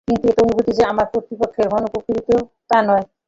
কিন্তু এ অনুভূতি যে আমার কৃতকর্মের মনোপীড়াজনিত, তা নয়।